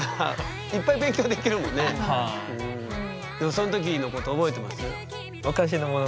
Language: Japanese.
その時のこと覚えてます？